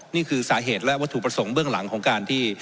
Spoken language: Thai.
นี่คือสาเหตุและวัตถุประสงค์เบื้องหลังของการที่